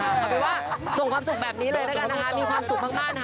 เข้าไปว่าส่งความสุขแบบนี้เลยนะมีความสุขพรรคบ้าน